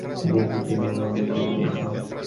এ প্রশ্ন তিনি অন্যান্য দেশেও করিয়াছেন।